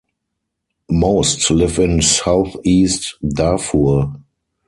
Most live in southeast Darfur.